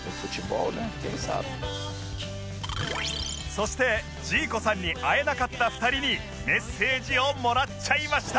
そしてジーコさんに会えなかった２人にメッセージをもらっちゃいました